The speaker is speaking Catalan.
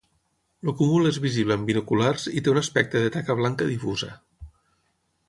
El cúmul és visible amb binoculars i té un aspecte de taca blanca difusa.